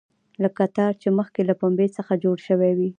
لکه تار چې مخکې له پنبې څخه جوړ شوی وي.